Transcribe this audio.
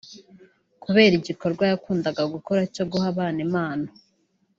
Kubera igikorwa yakundaga gukora cyo guha abana impano